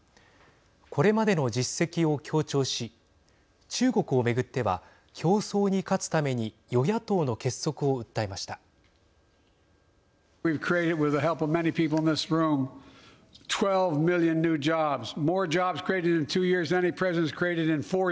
これまでの実績を強調し中国を巡っては競争に勝つために与野党の結束を訴えました。